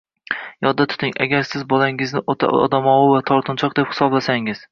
Yodda tuting. Agar siz bolangizni o‘ta odamovi va tortinchoq deb hisoblasangiz